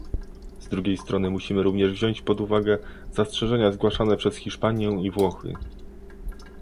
Z drugiej strony musimy również wziąć pod uwagę zastrzeżenia zgłaszane przez Hiszpanię i Włochy